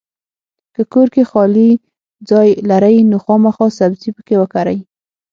کۀ کور کې خالي ځای لرئ نو خامخا سبزي پکې وکرئ!